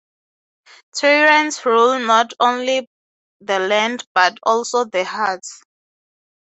Tyrants rule not only the land, but also the hearts.